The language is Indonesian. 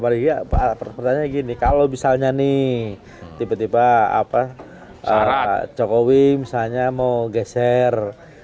maria pak pertanyaan gini kalau misalnya nih tiba tiba apa cara cokowi misalnya mau geser